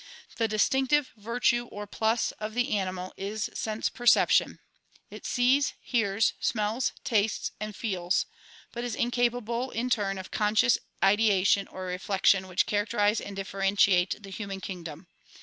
The distinctive virtue or plus of the animal is sense perception; it sees, hears, smells, tastes and feels but is incapable in turn, of conscious ideation or reflection which characterize and differentiate the human kingdom.